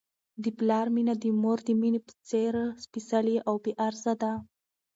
د پلار مینه د مور د مینې په څېر سپیڅلې او بې غرضه ده.